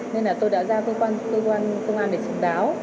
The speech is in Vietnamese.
nên là tôi đã ra cơ quan công an để chứng báo